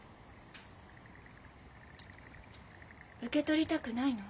受け取りたくないの？